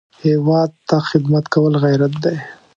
هېواد ته خدمت کول غیرت دی